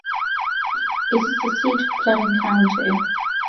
It is the seat of Fleming County.